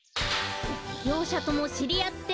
りょうしゃともしりあって！